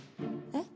えっ？